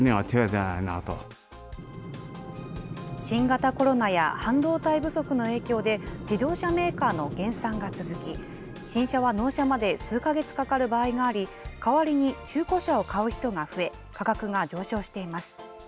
新型コロナや半導体不足の影響で、自動車メーカーの減産が続き、新車は納車まで数か月かかる場合があり、代わりに中古車を買う人が増え、価格が上昇しています。